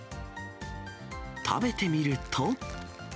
食べてみると。